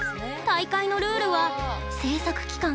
大会のルールは制作期間